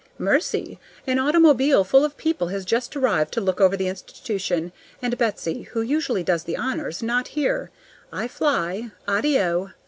Mercy! An automobile full of people has just arrived to look over the institution, and Betsy, who usually does the honors, not here. I fly. ADDIO!